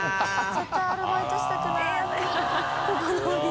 絶対アルバイトしたくない。ハハハ